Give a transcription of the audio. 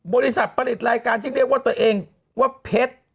บริษัทผลิตรายการที่เรียกว่าตัวเองว่าเพชร